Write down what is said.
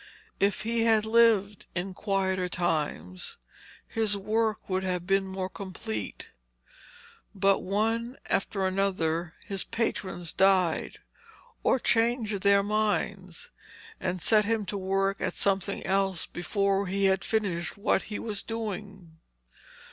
If he had lived in quieter times, his work would have been more complete; but one after another his patrons died, or changed their minds, and set him to work at something else before he had finished what he was doing.